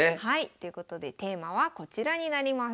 ということでテーマはこちらになります。